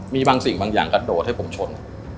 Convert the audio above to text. มีบางสิ่งบางอย่างกระโดดให้ผมชน